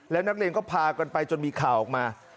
แล้วนักเรียนก็พากันไปจนมีข่าวออกมา